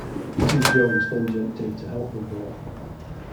Mrs. Jones then jumped in to help them both.